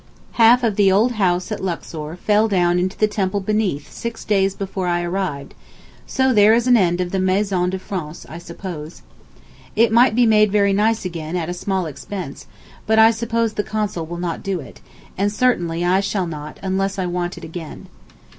Half of the old house at Luxor fell down into the temple beneath six days before I arrived; so there is an end of the Maison de France, I suppose. It might be made very nice again at a small expense, but I suppose the Consul will not do it, and certainly I shall not unless I want it again.